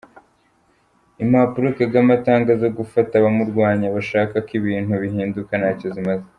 Impapuro Kagame atanga zo gufata abamurwanya bashaka ko ibintu bihinduka ntacyo zimaze.